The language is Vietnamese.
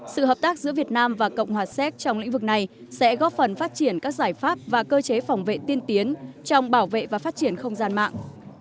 sự hợp tác giữa việt nam và cộng hòa séc trong lĩnh vực này sẽ góp phần phát triển các giải pháp và cơ chế phòng vệ tiên tiến trong bảo vệ và phát triển không gian mạng